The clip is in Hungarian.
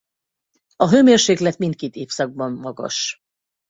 A hőmérséklet mindkét évszakban magas.